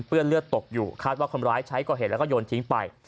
เลือดเลือดตกอยู่คาดว่าคนร้ายใช้ก่อเหตุแล้วก็โยนทิ้งไป